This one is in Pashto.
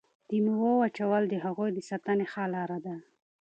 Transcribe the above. د میوو وچول د هغوی د ساتنې ښه لاره ده.